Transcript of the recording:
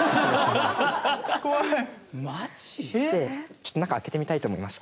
ちょっと中開けてみたいと思います。